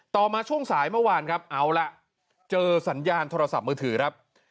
มาช่วงสายเมื่อวานครับเอาล่ะเจอสัญญาณโทรศัพท์มือถือครับ